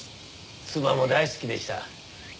妻も大好きでした。